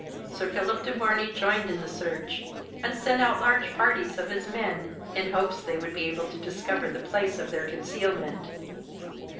Sir Philip de Morney joined in the search, and sent out large parties of his men, in hopes they would be able to discover the place of their concealment.